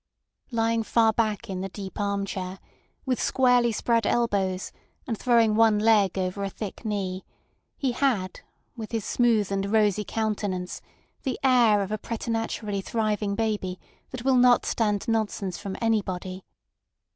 Lying far back in the deep arm chair, with squarely spread elbows, and throwing one leg over a thick knee, he had with his smooth and rosy countenance the air of a preternaturally thriving baby that will not stand nonsense from anybody.